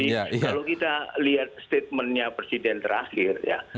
jadi kalau kita lihat statementnya presiden terakhir ya